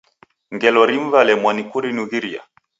Ngelo rimu w'alemwa ni kurinughiria.